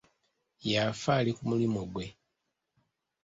Yafa ali ku mulimu gwe.